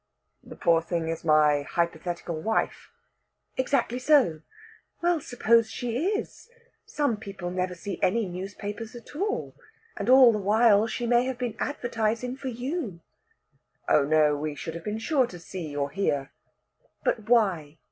"The poor thing is my hypothetical wife?" "Exactly so. Well, suppose she is. Some people never see any newspapers at all. And all the while she may have been advertising for you." "Oh no; we should have been sure to see or hear." "But why?